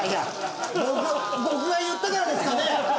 僕が言ったからですかね？